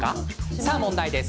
さあ、問題です。